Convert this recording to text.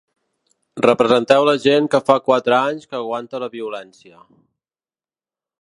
Representeu la gent que fa quatre anys que aguanta la violència.